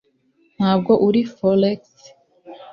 Ntabwo uri Forex